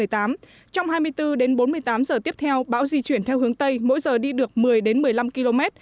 trong hai mươi bốn đến bốn mươi tám giờ tiếp theo bão di chuyển theo hướng tây mỗi giờ đi được một mươi một mươi năm km